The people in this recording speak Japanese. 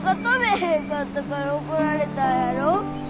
へんかったから怒られたんやろ？